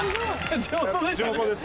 地元ですか？